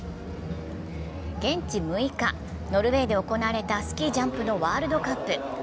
現地６日、ノルウェーで行われたスキージャンプのワールドカップ。